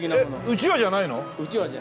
うちわじゃない。